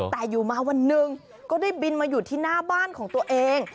แต่อยู่มาวันหนึ่งก็ได้บินมาอยู่ที่หน้าบ้านของตัวเอง